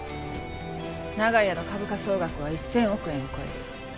長屋の株価総額は１０００億円を超える。